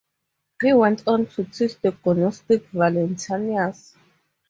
He went on to teach the Gnostic Valentinus.